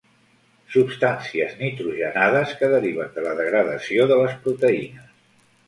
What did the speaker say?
Substàncies nitrogenades que deriven de la degradació de les proteïnes.